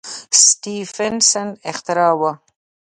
سټېفنسن اختراع وه.